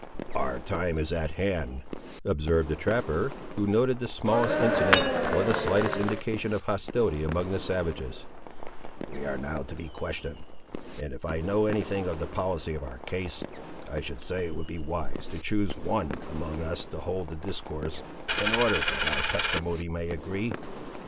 "Our time is at hand," observed the trapper, who noted the smallest incident, or the slightest indication of hostility among the savages: "we are now to be questioned; and if I know any thing of the policy of our case, I should say it would be wise to choose one among us to hold the discourse, in order that our testimony may agree.